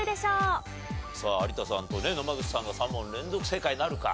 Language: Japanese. さあ有田さんと野間口さんが３問連続正解なるか？